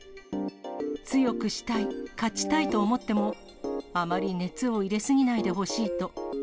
強くしたい、勝ちたいと思っても、あまり熱を入れ過ぎないでほしいと。